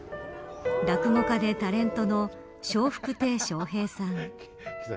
落語家でタレントの笑福亭笑瓶さん。